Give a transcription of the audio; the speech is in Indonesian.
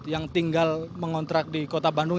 yang tinggal mengontrak di kota bandung